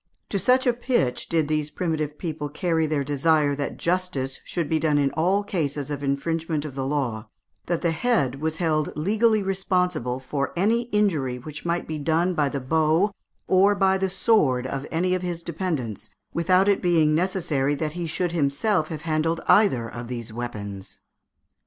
To such a pitch did these primitive people carry their desire that justice should be done in all cases of infringement of the law, that the head was held legally responsible for any injury which might be done by the bow or the sword of any of his dependents, without it being necessary that he should himself have handled either of these weapons.